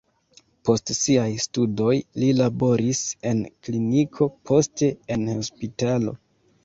Post siaj studoj li laboris en kliniko, poste en hospitalo.